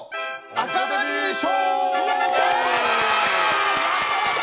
アカデミー賞！